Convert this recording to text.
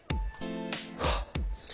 あっ！